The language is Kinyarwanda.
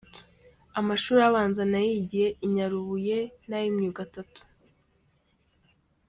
Amashuri abanza nayigiye I Nyarubuye n’ay’imyuga atatu.